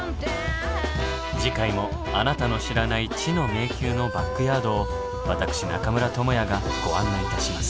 次回もあなたの知らない知の迷宮のバックヤードを私中村倫也がご案内いたします。